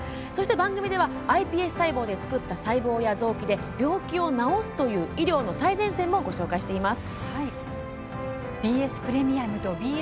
番組ではｉＰＳ細胞で作った細胞や臓器で病気を治すという医療の最前線もご紹介しています。